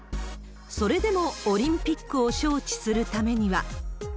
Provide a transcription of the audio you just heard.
それでもオリンピックを招致するためには。